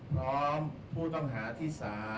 พร้อมผู้ต้องหาที่๓